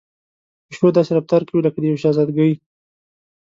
پيشو داسې رفتار کوي لکه د يوې شهزادګۍ.